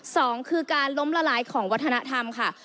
สองคือการล้มละลายของวัฒนธรรมค่ะ